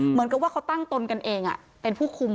เหมือนกับว่าเขาตั้งตนกันเองเป็นผู้คุม